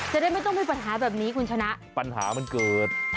จะได้ไม่ต้องมีปัญหาแบบนี้คุณชนะปัญหามันเกิด